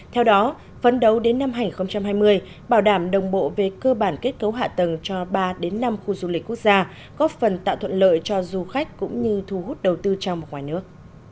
theo đó phấn đấu đến năm hai nghìn hai mươi bảo đảm đồng bộ về cơ bản kết cấu hạ tầng cho ba năm khu du lịch quốc gia góp phần tạo thuận lợi cho du khách cũng như thu hút đầu tư trong và ngoài nước